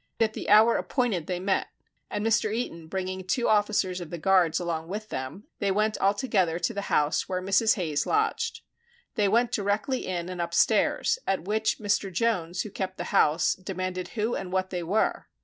At the hour appointed they met, and Mr. Eaton bringing two officers of the Guards along with them, they went altogether to the house where Mrs. Hayes lodged. They went directly in and upstairs, at which Mr. Jones, who kept the house, demanded who and what they were.